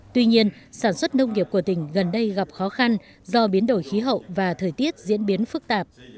tuy nhiên sản xuất nông nghiệp của tỉnh gần đây gặp khó khăn do biến đổi khí hậu và thời tiết diễn biến phức tạp